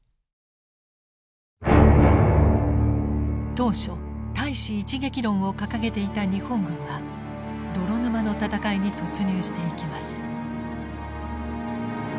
当初対支一撃論を掲げていた日本軍は泥沼の戦いに突入していきます。